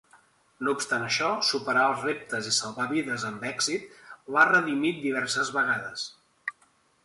No obstant això, superar els reptes i salvar vides amb èxit l'ha redimit diverses vegades.